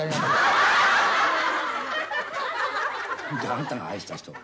あんたが愛した人は？